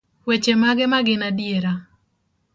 weche mage magin adiera?